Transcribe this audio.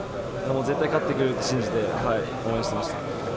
絶対勝ってくれると信じて応援してました。